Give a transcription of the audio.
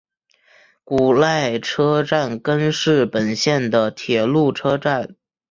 古濑车站根室本线的铁路车站。